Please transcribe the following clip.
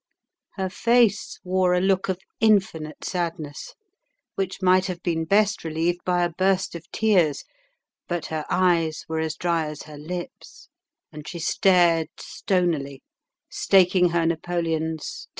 Her face wore a look of infinite sadness, which might have been best relieved by a burst of tears. But her eyes were as dry as her lips, and she stared stonily, staking her napoleons till the last was gone.